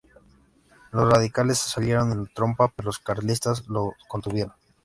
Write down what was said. Los radicales salieron en tromba, pero los carlistas los contuvieron.